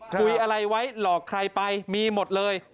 คุยอะไรไว้หลอกใครไปมีหมดเลย